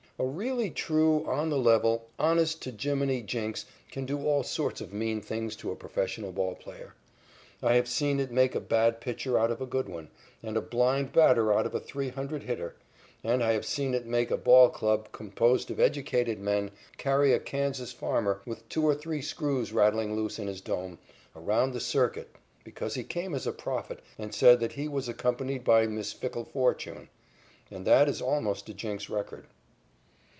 A really true, on the level, honest to jiminy jinx can do all sorts of mean things to a professional ball player. I have seen it make a bad pitcher out of a good one, and a blind batter out of a three hundred hitter, and I have seen it make a ball club, composed of educated men, carry a Kansas farmer, with two or three screws rattling loose in his dome, around the circuit because he came as a prophet and said that he was accompanied by Miss Fickle Fortune. And that is almost a jinx record.